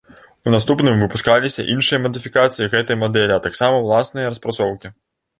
У наступным выпускаліся іншыя мадыфікацыі гэтай мадэлі, а таксама ўласныя распрацоўкі.